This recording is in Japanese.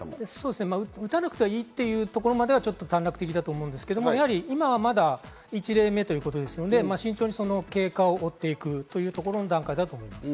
打たなくていいというところまでは短絡的だと思うんですけれど、今はまだ１例目ということですので、慎重に経過を追っていくというところの段階だと思います。